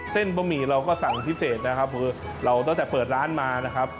บะหมี่เราก็สั่งพิเศษนะครับคือเราตั้งแต่เปิดร้านมานะครับ